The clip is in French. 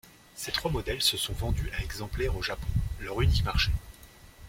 Ces trois modèles se sont vendus à exemplaires au Japon, leur unique marché.